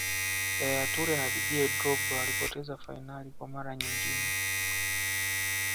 yaya toure na didier drogba walipoteza fainali kwa mara nyingine